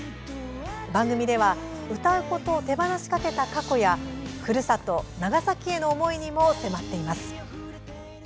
番組では歌うことを手放しかけた過去やふるさと、長崎への思いにも迫っています。